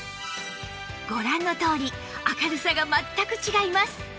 ご覧のとおり明るさが全く違います